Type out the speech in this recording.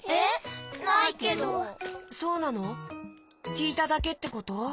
きいただけってこと？